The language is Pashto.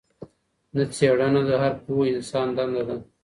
نه، څېړنه د هر پوه انسان دنده ده.